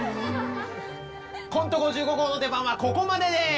コント５５号の出番はここまでです！